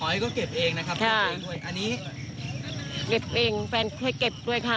ให้ก็เก็บเองนะครับแค่อันนี้เก็บเองแฟนแค่เก็บด้วยค่ะ